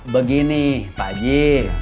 begini pak ji